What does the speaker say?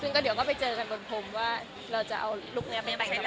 เราก็ดีกว่าไปเจอกันเจอกันบนพรมว่าเราจะเอาลุครุ่ระป์นี้มาแต่งกันตลอด